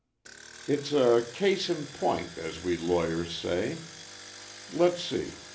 It's a 'case in point' as we lawyers say. Let's see.